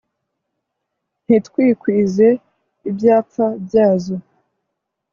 ntitwikwize ibyapfa byazo